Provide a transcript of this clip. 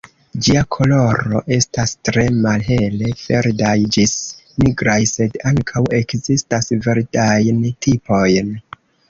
Ĝia koloro estas tre malhele verdaj ĝis nigraj, sed ankaŭ ekzistas verdajn tipojn.